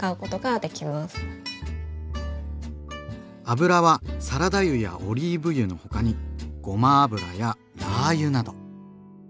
油はサラダ油やオリーブ油の他にごま油やラー油など。